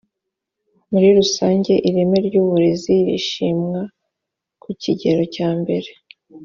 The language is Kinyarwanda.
muri rusange ireme ry uburezi rishimwa ku kigero cya mbere